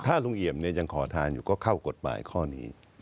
ถ้าลุงเอี่ยมยังขอทานอยู่ก็เข้ากฎหมายข้อนี้